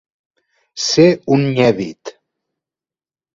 Ser un nyèbit.